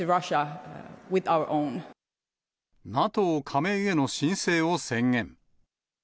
ＮＡＴＯ加盟への申請を宣言。